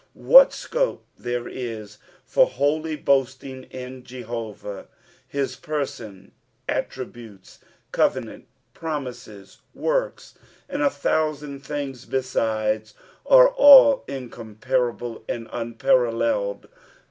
What .scope there is for holy boasting in Jehovah I His person, attributes, covenant, promises, works, and a thousand things besides, are all incomparable, unparalleled.